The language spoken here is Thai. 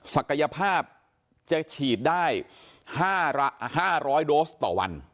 ศักยภาพจะฉีดได้๕๐๐โดสต่อวัน